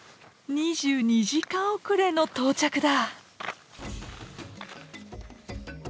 ２２時間遅れの到着だ。